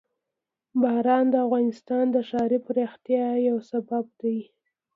باران د افغانستان د ښاري پراختیا یو سبب دی.